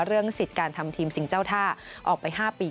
เรื่องสิทธิ์การทำทีมสิ่งเจ้าท่าออกไป๕ปี